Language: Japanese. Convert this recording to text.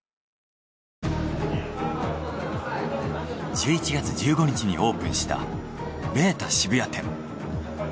１１月１５日にオープンしたベータ渋谷店。